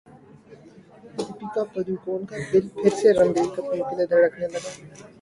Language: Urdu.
دپیکا پڈوکون کا دل پھر سے رنبیر کپور کے لیے دھڑکنے لگا